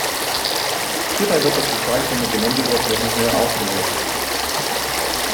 Hierbei wird das Gestein von der Geländeoberfläche her aufgelöst.